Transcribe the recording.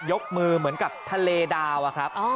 ยกมือเหมือนกับทะเลดาวอะครับ